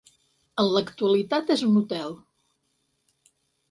En l'actualitat és un hotel.